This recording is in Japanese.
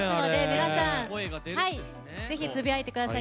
皆さん、ぜひつぶやいてください。